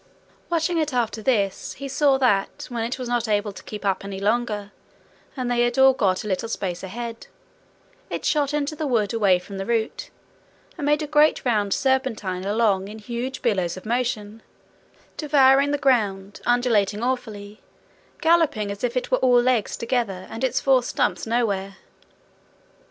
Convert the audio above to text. Watching it after this, he saw that, when it was not able to keep up any longer, and they had all got a little space ahead, it shot into the wood away from the route, and made a great round, serpentine alone in huge billows of motion, devouring the ground, undulating awfully, galloping as if it were all legs together, and its four stumps nowhere.